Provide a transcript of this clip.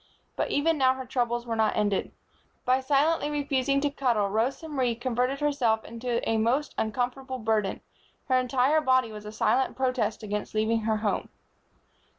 But even now her troubles were not ended. By silently refusing to cuddle, Rosa Marie converted herself into a most uncomfortable burden. Her entire body was a silent protest against leaving her home.